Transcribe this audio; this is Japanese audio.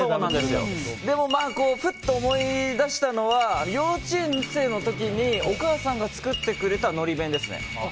ふっと思い出したのは幼稚園生の時にお母さんが作ってくれたのり弁ですね。